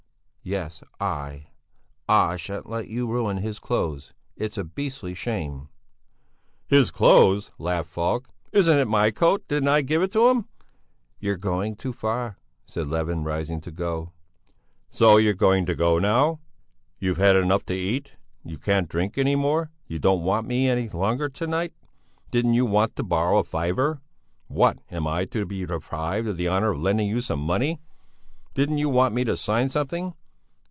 Yes, I! I shan't let you ruin his clothes. It's a beastly shame!" "His clothes," laughed Falk. "Isn't it my coat? Didn't I give it to him?" "You're going too far!" said Levin, rising to go. "So you're going now! You've had enough to eat, you can't drink any more, you don't want me any longer to night. Didn't you want to borrow a fiver? What? Am I to be deprived of the honour of lending you some money? Didn't you want me to sign something?